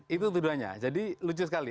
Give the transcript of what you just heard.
itu tuduhannya jadi lucu sekali